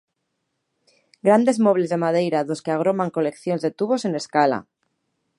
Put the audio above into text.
Grandes mobles de madeira dos que agroman coleccións de tubos en escala.